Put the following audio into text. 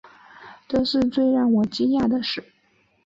这是最让我惊讶的事